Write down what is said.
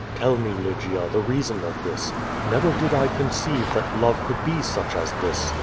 Tell me, Lygia, the reason of this. Never did I conceive that love could be such as this.